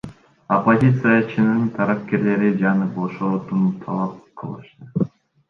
Оппозициячынын тарапкерлери аны бошотууну талап кылышты.